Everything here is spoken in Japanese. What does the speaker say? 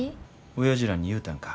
おやじらに言うたんか